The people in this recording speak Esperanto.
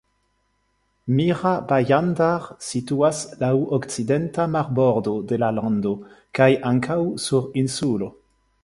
Mira-Bhajandar situas laŭ okcidenta marbordo de la lando kaj ankaŭ sur insulo.